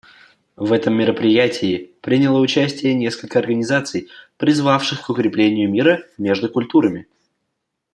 В этом мероприятии приняло участие несколько организаций, призвавших к укреплению мира между культурами.